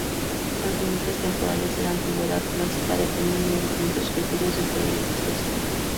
Los límites temporales de la Antigüedad clásica dependen de distintos criterios de periodización.